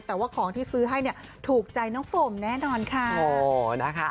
แต่ว่าของที่ซื้อให้เนี่ยถูกใจน้องโฟมแน่นอนค่ะ